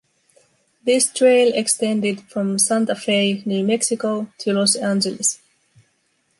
This trail extended from Santa Fe, New Mexico to Los Angeles.